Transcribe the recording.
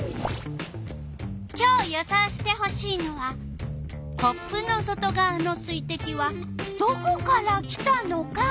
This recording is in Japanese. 今日予想してほしいのはコップの外がわの水てきはどこから来たのか。